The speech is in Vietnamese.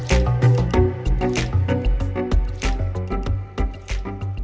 hẹn gặp lại